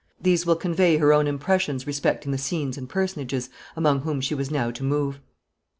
These will convey her own impressions respecting the scenes and personages among whom she was now to move.